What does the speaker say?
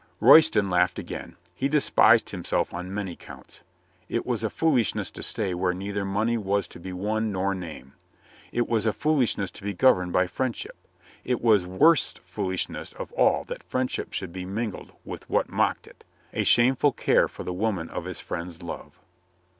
Royston laughed again. He despised himself on many counts. It was a foolishness to stay where neither money was to be won nor name. It was a foolishness to be governed by friendship. It was worst foolishness of all that friendship should be mingled with what mocked it, a shameful care for the woman of his friend's love.